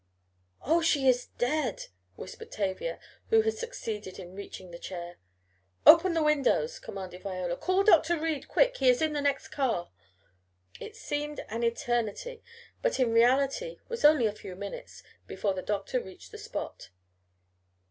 "Oh, she is dead!" whispered Tavia, who had succeeded in reaching the chair. "Open the windows!" commanded Viola. "Call Dr. Reed, quick! He is in the next car!" It seemed an eternity but in reality was only a few minutes before the doctor reached the spot.